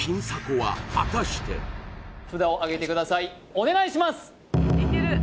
お願いします